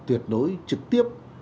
tuyệt đối trực tiếp